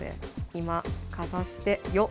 今かざしてよっ。